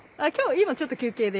今ちょっと休憩で。